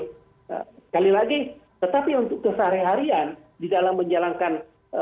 sekali lagi tetapi untuk keseharian di dalam menjalankan